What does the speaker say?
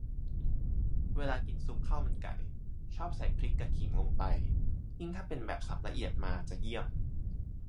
เวลากินซุปข้าวมันไก่ ชอบใส่พริกกะขิงลงไป ยิ่งถ้าเป็นแบบสับละเอียดมาจะเยี่ยม